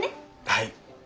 はい。